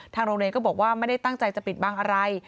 โรงเรียนก็บอกว่าไม่ได้ตั้งใจจะปิดบังอะไร